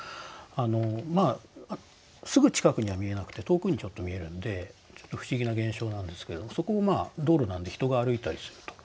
まあすぐ近くには見えなくて遠くにちょっと見えるんでちょっと不思議な現象なんですけどそこをまあ道路なんで人が歩いたりすると。